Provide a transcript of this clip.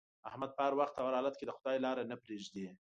احمد په هر وخت او هر حالت کې د خدای لاره نه پرېږدي.